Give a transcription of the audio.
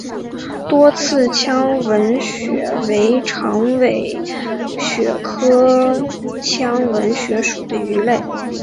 多刺腔吻鳕为长尾鳕科腔吻鳕属的鱼类。